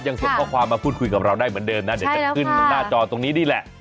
ส่งข้อความมาพูดคุยกับเราได้เหมือนเดิมนะเดี๋ยวจะขึ้นหน้าจอตรงนี้นี่แหละ